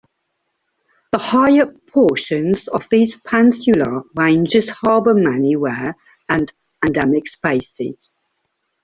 The higher portions of these Peninsular Ranges harbor many rare and endemic species.